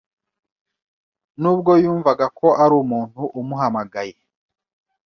Nubwo yumvaga ko ari umuntu umuhamagaye